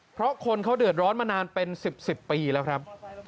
เพราะคนเขาเดือดร้อนมานานเป็น๑๐ปีแล้วครับ